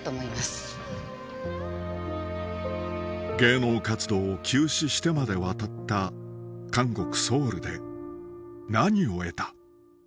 芸能活動を休止してまで渡った韓国ソウルで何を得た？